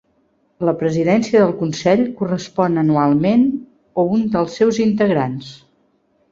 La presidència del Consell correspon anualment un dels seus integrants.